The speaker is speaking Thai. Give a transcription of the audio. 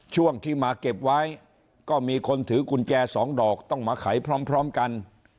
ช่วงที่มาเก็บไว้ก็มีคนถือกุญแจสองดอกต้องมาไขพร้อมกัน